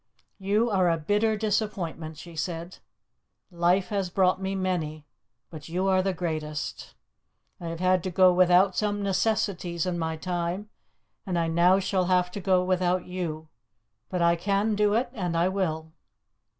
"You are a bitter disappointment," she said. "Life has brought me many, but you are the greatest. I have had to go without some necessities in my time, and I now shall have to go without you. But I can do it, and I will."